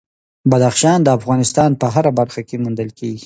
بدخشان د افغانستان په هره برخه کې موندل کېږي.